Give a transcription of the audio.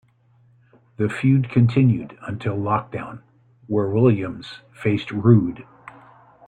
The feud continued until Lockdown, where Williams faced Roode.